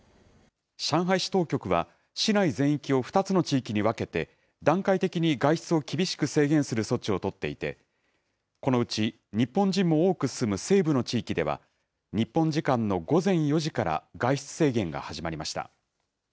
上海市当局は、市内全域を２つの地域に分けて、段階的に外出を厳しく制限する措置を取っていて、このうち、日本人も多く住む西部の地域では、日本時間の午前４時から外出制限が始まりました。